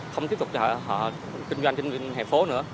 không tiếp tục cho họ kinh doanh trên hệ phố nữa